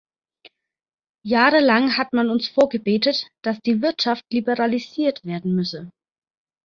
Jahrelang hat man uns vorgebetet, dass die Wirtschaft liberalisiert werden müsse.